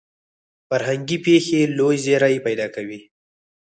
فرهنګي پېښې لوی زیری پیدا کوي.